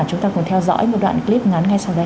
chúng ta cùng theo dõi một đoạn clip ngắn ngay sau đây